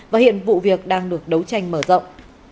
và hiện vụ việc đang được đấu tranh mở rộng